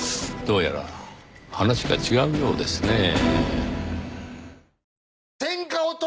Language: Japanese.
どうやら話が違うようですねぇ。